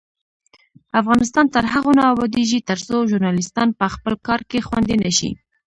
افغانستان تر هغو نه ابادیږي، ترڅو ژورنالیستان په خپل کار کې خوندي نشي.